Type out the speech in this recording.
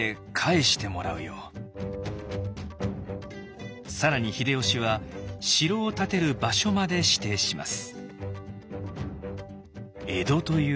「家康くん」更に秀吉は城を建てる場所まで指定します。